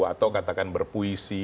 atau katakan berpuisi